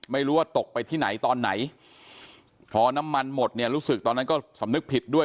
ไม่รู้ว่าตกไปที่ไหนตอนไหนพอน้ำมันหมดเนี่ยรู้สึกตอนนั้นก็สำนึกผิดด้วย